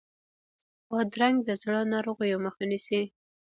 بادرنګ د زړه ناروغیو مخه نیسي.